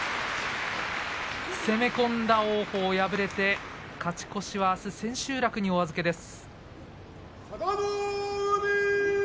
攻め込んだ王鵬、敗れて勝ち越しはあす千秋楽にお預けです。